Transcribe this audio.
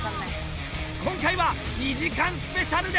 今回は２時間スペシャルです！